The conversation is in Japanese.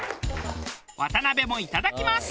渡辺もいただきます。